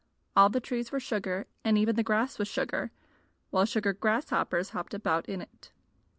All the trees were sugar, and even the grass was sugar, while sugar grasshoppers hopped about in it.